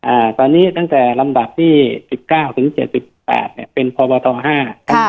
อ่าตอนนี้ตั้งแต่ลำดับที่สิบเก้าถึงเจ็ดสิบแปดเนี้ยเป็นพบทห้าครับ